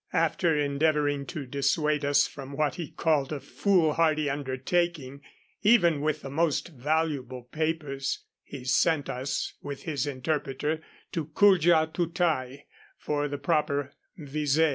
After endeavoring to dissuade us from what he called a foolhardy undertaking, even with the most valuable papers, he sent us, with his interpreter, to the Kuldja Tootai for the proper vise.